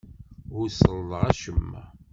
Ur sellḍeɣ acemma.